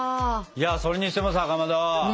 それにしてもさかまど。